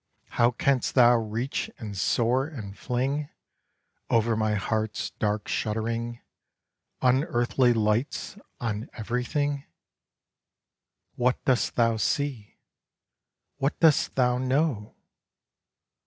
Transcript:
How canst thou reach and soar, and fling, Over my heart's dark shuddering, Unearthly lights on everything? What dost thou see? What dost thou know?'